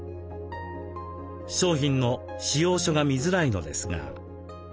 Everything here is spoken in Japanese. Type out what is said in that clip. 商品の仕様書が見づらいのですが。